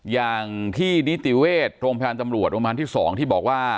อย่างที่นิติเวชโรงพยาบาลตำรวจโรงพยาบาลที่๒ที่บอกว่า